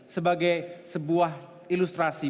sebagai sebuah ilustrasi